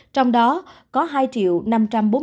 trong đó có hai năm trăm bốn mươi bảy ca